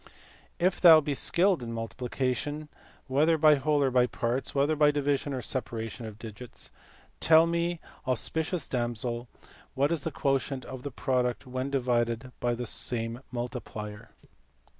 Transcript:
If thou be skilled in multiplication, whether by whole or by parts, whether by division or by separation of digits, tell me, auspi cious damsel, what is the quotient of the product when divided by the same multiplier."